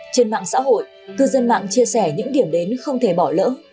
trên mạng xã hội cư dân mạng chia sẻ những điểm đến không thể bỏ lỡ